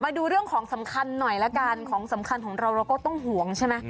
มาดูเรื่องของสำคัญหน่อยละกันของสำคัญของเราเราก็ต้องห่วงใช่ไหม